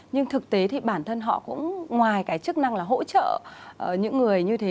nhưng thực tế thì bản thân họ cũng ngoài cái chức năng là hỗ trợ những người như thế